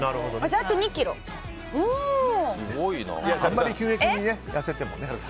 あんまり急激に痩せてもね。